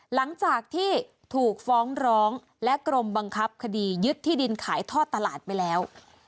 หลังจากที่ถูกฟ้องร้องและกรมบังคับคดียึดที่ดินขายทอดตลาดไปแล้ว